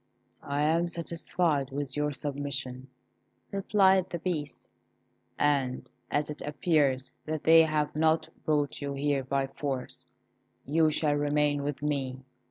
"I am satisfied with your submission," replied the Beast; "and as it appears that they have not brought you here by force, you shall remain with me.